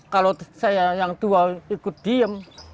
kalau saya yang tua ikut diem